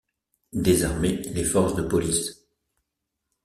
Désarmer les forces de police.